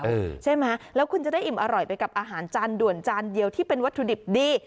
ใช่ไหมแล้วคุณจะได้อิ่มอร่อยไปกับอาหารจานด่วนจานเดียวที่เป็นวัตถุดิบดี